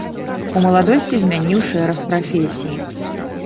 У маладосці змяніў шэраг прафесій.